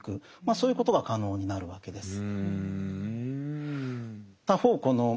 そういうことが可能になるわけです。